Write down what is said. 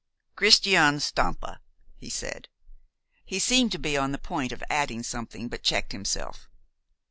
"Christian Stampa," he said. He seemed to be on the point of adding something, but checked himself.